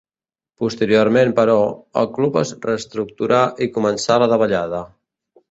Posteriorment però, el club es reestructurà i començà la davallada.